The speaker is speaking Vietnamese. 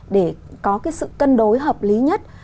để có cái sự cân đối hợp lý nhất